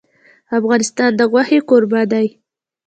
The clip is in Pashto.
افغانستان د غوښې کوربه دی.